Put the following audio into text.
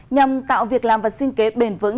nhằm tạo việc làm vật sinh kế bền vững